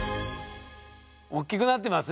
おっきくなってますね。